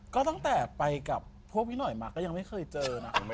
ก็ตั้งแต่ไปกับพวกพี่หน่อยมาก็ยังไม่เคยเจอนะ